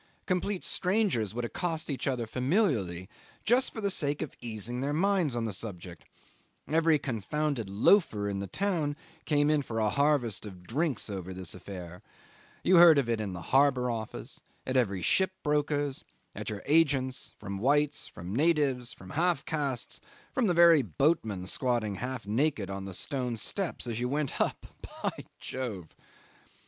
Complete strangers would accost each other familiarly, just for the sake of easing their minds on the subject: every confounded loafer in the town came in for a harvest of drinks over this affair: you heard of it in the harbour office, at every ship broker's, at your agent's, from whites, from natives, from half castes, from the very boatmen squatting half naked on the stone steps as you went up by Jove!